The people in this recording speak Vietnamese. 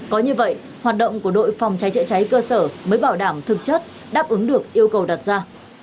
có như vậy hoạt động của đội phòng cháy chữa cháy cơ sở mới bảo đảm thực chất đáp ứng được yêu cầu đặt ra